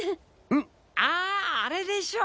んっああれでしょ！？